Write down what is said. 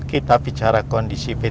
kita harus berpikir bahwa petika ingin chick